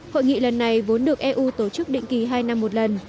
hội nghị lần này vốn được eu tổ chức định kỳ hai năm một lần